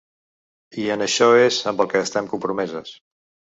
I en això és amb el que estem compromeses!